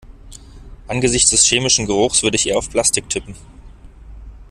Angesichts des chemischen Geruchs würde ich eher auf Plastik tippen.